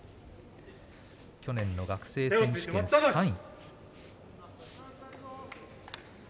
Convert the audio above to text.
去年の学生選手権３位。